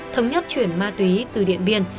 thống nhất chuyển ma túy từ điện biên